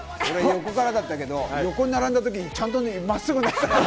横からだったけど、横に並んだ時、ちゃんとまっすぐになってた。